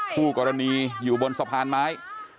คู่กรณีอยู่บนสะพานไม้